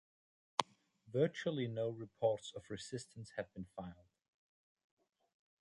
Virtually no reports of resistance have been filed.